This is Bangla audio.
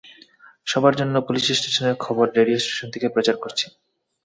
সবার জন্য পুলিশ স্টেশনের খবর রেডিও স্টেশন থেকে প্রচার করছি।